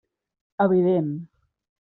Evident.